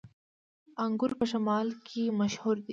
انګور په شمالی کې مشهور دي